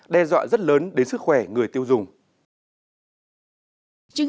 đe dọa rất lớn đến sức khỏe người tiêu dùng